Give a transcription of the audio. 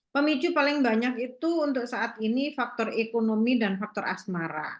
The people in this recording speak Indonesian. pemicu paling banyak itu untuk saat ini faktor ekonomi dan faktor asmara